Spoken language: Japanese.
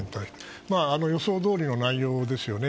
予想どおりの内容ですよね。